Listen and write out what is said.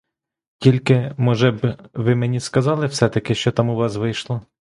Тільки, може б, ви мені сказали все-таки, що там у вас вийшло?